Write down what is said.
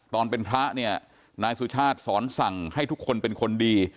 ตอนเป็นพระเนี่ยนายสุชาติสอนสั่งให้ทุกคนเป็นคนดี